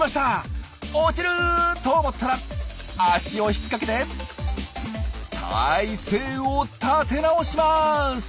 落ちる！と思ったら足を引っ掛けて体勢を立て直します。